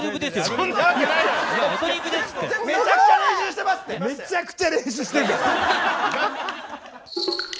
めちゃくちゃ練習してますって！